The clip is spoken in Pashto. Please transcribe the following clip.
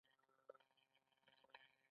ځینې خلک شعارونو ته اهمیت ورنه کړي.